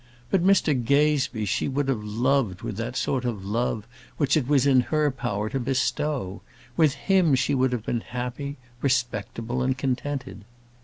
But Mr Gazebee she would have loved with that sort of love which it was in her power to bestow. With him she would have been happy, respectable, and contented.